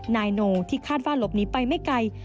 นายโนที่คาดว่าหลบหนีไปไม่ไกล